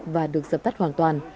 và được sập tắt hoàn toàn